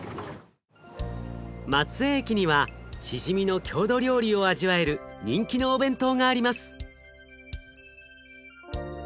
松江駅にはしじみの郷土料理を味わえる人気のお弁当があります。